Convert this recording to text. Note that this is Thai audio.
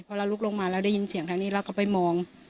พอเราลุกลงมาแล้วได้ยินเสียงทางนี้เราก็ไปมอง